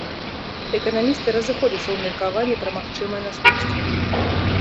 Эканамісты разыходзяцца ў меркаванні пра магчымыя наступствы.